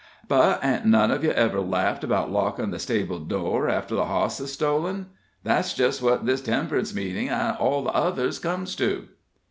But hain't none of ye ever laughed 'bout lockin' the stable door after the hoss is stolen? That's just what this temp'rance meetin' an' all the others comes to."